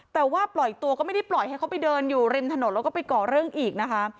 แต่ว่าปล่อยตัวก็ไม่ได้ปล่อยให้เขาไปเดินอยู่ริมถนนแล้วก็ไปก่อเรื่องอีกนะคะ